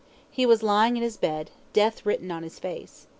He was lying in his bed, death written on his face.